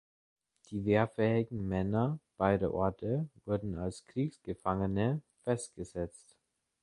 Die wehrfähigen Männer beider Orte wurden als Kriegsgefangene festgesetzt.